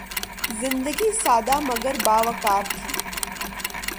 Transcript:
زندگی سادہ مگر باوقار تھی